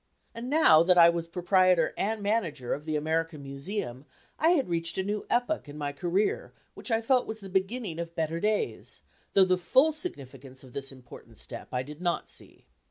And now that I was proprietor and manager of the American Museum I had reached a new epoch in my career which I felt was the beginning of better days, though the full significance of this important step I did not see.